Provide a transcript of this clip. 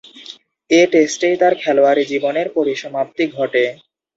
এ টেস্টেই তার খেলোয়াড়ী জীবনের পরিসমাপ্তি ঘটে।